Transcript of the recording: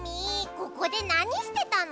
ここでなにしてたの？